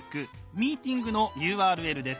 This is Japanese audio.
「ミーティングのＵＲＬ」です。